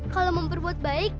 kalau memperbuat baik